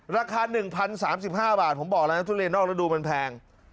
ราคาหนึ่งพันสามสิบห้าบาทผมบอกแล้วนะทุเรียนนอกระดูกมันแพง